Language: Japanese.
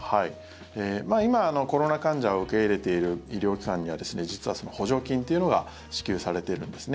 今コロナ患者を受け入れている医療機関には実は補助金というのが支給されてるんですね。